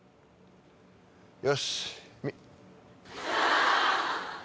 よし。